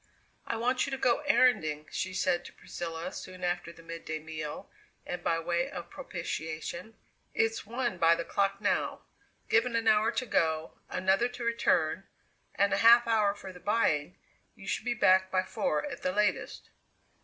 "I want you to go erranding," she said to Priscilla soon after the midday meal and by way of propitiation. "It's one by the clock now. Given an hour to go, another to return, and a half hour for the buying, you should be back by four at the latest."